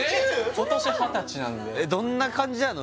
今年二十歳なんでどんな感じなの？